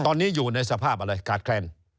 ตอนนี้อยู่ในสภาพอะไรขาดแคลน